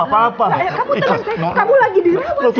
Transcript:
penglihatan mata kamu jadi terganggu